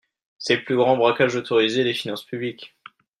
C’est le plus grand braquage autorisé des finances publiques.